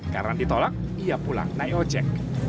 karena ditolak ia pulang naik ojek